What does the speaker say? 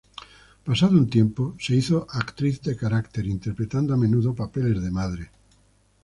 Pasado un tiempo se hizo actriz de carácter, interpretando a menudo papeles de madre.